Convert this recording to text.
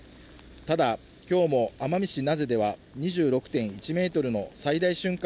ただ、きょうも奄美市名瀬では２６．１メートルの最大瞬間